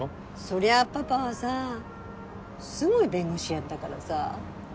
そりゃあパパはさすごい弁護士やったからさ。